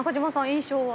印象は？